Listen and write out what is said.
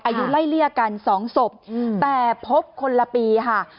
อายุไล่เลี่ยกันสองศพแต่พบคนละปีค่ะ